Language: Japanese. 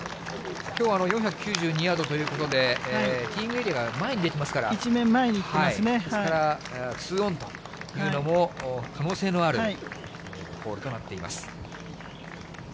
きょうは４９２ヤードということで、ティーイングエリアが前に出来てますから、ですから２オンというのも可能性のあるホールとなっています。